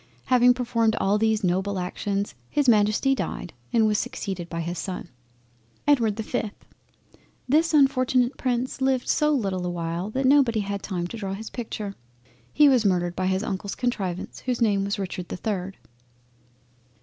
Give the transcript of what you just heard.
Having performed all these noble actions, his Majesty died, and was succeeded by his son. EDWARD the 5th This unfortunate Prince lived so little a while that nobody had him to draw his picture. He was murdered by his Uncle's Contrivance, whose name was Richard the 3rd.